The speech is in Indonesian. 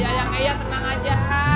yayang yayang tenang aja